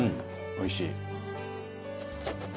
おいしい。